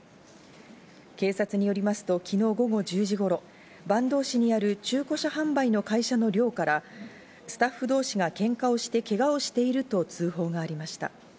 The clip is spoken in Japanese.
警察によりますと、昨日午後１０時頃、坂東市にある中古車販売の会社の寮からスタッフ同士が喧嘩をしてけがをしていると通報がありました。